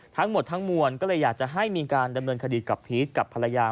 ทั้งหมดทั้งมวลก็เลยอยากจะให้มีการดำเนินคดีกับพีชกับภรรยา